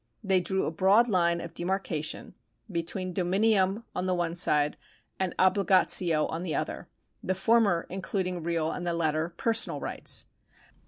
They drew a broad line of demarcation between dominium on the one side and oblUjatio on the other, the former including real, and the latter personal rights.